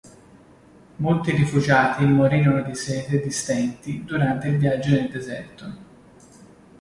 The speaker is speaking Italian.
Molti rifugiati morirono di sete e di stenti durante il viaggio nel deserto.